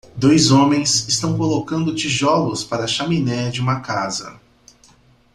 Dois homens estão colocando tijolos para a chaminé de uma casa.